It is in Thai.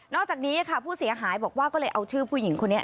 อกจากนี้ค่ะผู้เสียหายบอกว่าก็เลยเอาชื่อผู้หญิงคนนี้